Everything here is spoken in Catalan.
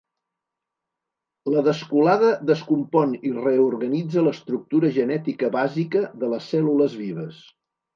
La Descolada descompon i reorganitza l'estructura genètica bàsica de les cèl·lules vives.